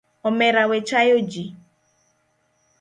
Omera we chayo ji.